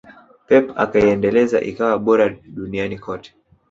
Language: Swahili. Pep akaiendeleza ikawa bora duniani kote